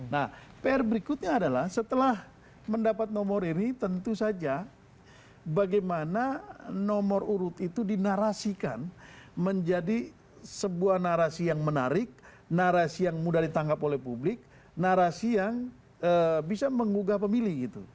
nah pr berikutnya adalah setelah mendapat nomor ini tentu saja bagaimana nomor urut itu dinarasikan menjadi sebuah narasi yang menarik narasi yang mudah ditangkap oleh publik narasi yang bisa menggugah pemilih gitu